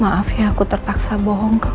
maaf ya aku terpaksa bohong ke kamu